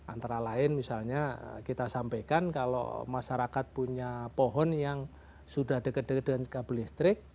antara lain misalnya kita sampaikan kalau masyarakat punya pohon yang sudah dekat dekat dengan kabel listrik